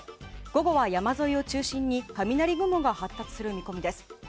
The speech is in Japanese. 午後は山沿いを中心に雷雲が発達する見込みです。